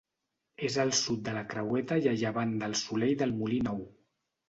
És al sud de la Creueta i a llevant del Solell del Molí Nou.